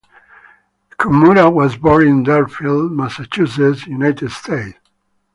Chmura was born in Deerfield, Massachusetts, United States.